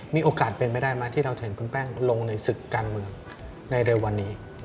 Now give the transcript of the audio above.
มีโอกาสเป็นไปได้ไหมที่เราจะเห็นคุณแป้งลงในศึกการเมืองในเร็ววันนี้